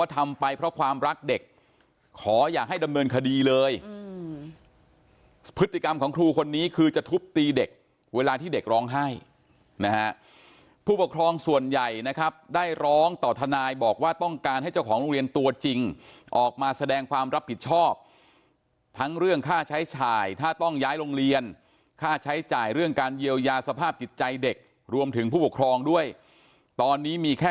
ทำไปเพราะความรักเด็กขออย่าให้ดำเนินคดีเลยพฤติกรรมของครูคนนี้คือจะทุบตีเด็กเวลาที่เด็กร้องไห้นะฮะผู้ปกครองส่วนใหญ่นะครับได้ร้องต่อทนายบอกว่าต้องการให้เจ้าของโรงเรียนตัวจริงออกมาแสดงความรับผิดชอบทั้งเรื่องค่าใช้จ่ายถ้าต้องย้ายโรงเรียนค่าใช้จ่ายเรื่องการเยียวยาสภาพจิตใจเด็กรวมถึงผู้ปกครองด้วยตอนนี้มีแค่